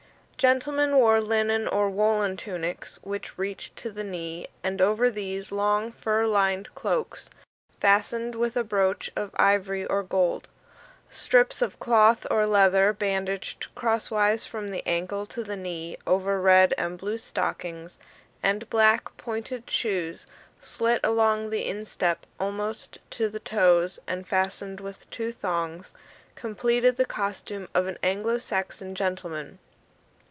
Gentlemen wore linen or woollen tunics, which reached to the knee; and, over these, long fur lined cloaks, fastened with a brooch of ivory or gold. Strips of cloth or leather, bandaged crosswise from the ankle to the knee over red and blue stockings; and black, pointed shoes, slit along the instep almost to the toes and fastened with two thongs, completed the costume of an Anglo Saxon gentleman.